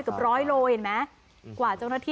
กลับด้านหลักหลักหลัก